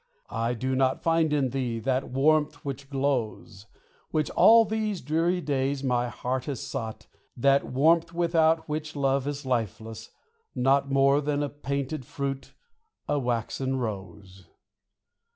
I do not find in thee that warmth which glows, Which, all these dreary days, my heart has sought, That warmth without which love is lifeless, naught More than a painted fruit, a waxen rose.